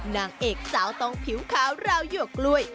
นางเอกสาวต้องผิวขาวราวหยวกกล้วย